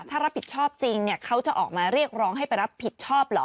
ถ้ารับผิดชอบจริงเขาจะออกมาเรียกร้องให้ไปรับผิดชอบเหรอ